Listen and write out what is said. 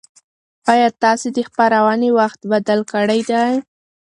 ایا تاسي د خپرونې وخت بدل کړی دی؟